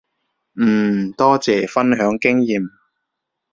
嗯，多謝分享經驗